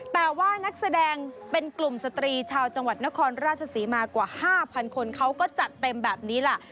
แต่ว่านักแสดงเป็นกลุ่มสตรีชาวจังหวัดนครราชศรีมากว่า๕๐๐คนเขาก็จัดเต็มแบบนี้ล่ะ